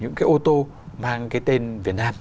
những cái ô tô mang cái tên việt nam